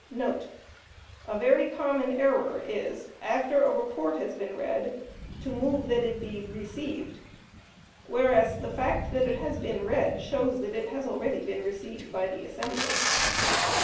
* [A very common error is, after a report has been read, to move that it be received; whereas, the fact that it has been read, shows that it has been already received by the assembly.